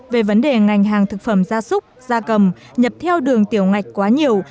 về vấn đề ngành hàng thực phẩm gia súc gia cầm nhập theo đường tiểu ngạch quá nhiều